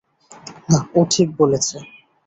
না, ও ঠিক বলেছে।